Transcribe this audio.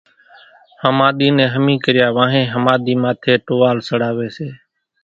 ۿماۮِي نين ۿمي ڪريا وانھين ۿماۮي ماٿي ٽوئان سڙاوي سي